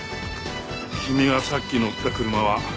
君がさっき乗った車は。